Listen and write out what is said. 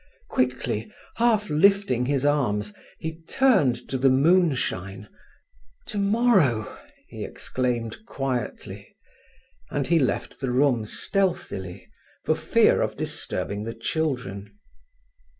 Quickly, half lifting his arms, he turned to the moonshine. "Tomorrow!" he exclaimed quietly; and he left the room stealthily, for fear of disturbing the children.